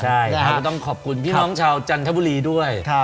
ใช่ก็ต้องขอบคุณพี่น้องชาวจันทบุรีด้วย